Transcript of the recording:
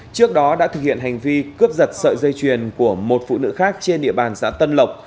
trước đó đã thực hiện hành vi cướp giật sợi dây chuyền của một phụ nữ khác trên địa bàn xã tân lộc